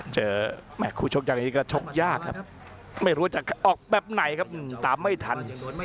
แม่คู่ชกอย่างนี้ก็ชกยากครับไม่รู้จะออกแบบไหนครับตามไม่ทัน